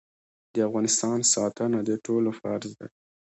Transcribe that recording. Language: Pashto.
د افغانستان ساتنه د ټولو فرض دی